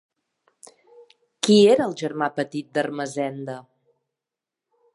Qui era el germà petit d'Ermessenda?